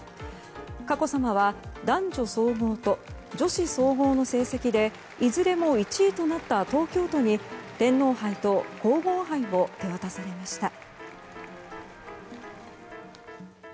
佳子さまは男女総合と女子総合の成績でいずれも１位となった東京都に天皇杯と皇后杯を手渡されました。